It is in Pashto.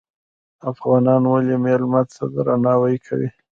افغانان ولې میلمه ته درناوی کوي؟